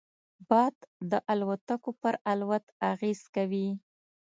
باد د الوتکو پر الوت اغېز کوي